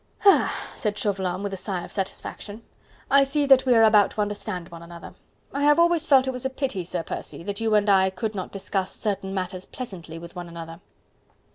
"Ah!" said Chauvelin with a sigh of satisfaction, "I see that we are about to understand one another.... I have always felt it was a pity, Sir Percy, that you and I could not discuss certain matters pleasantly with one another....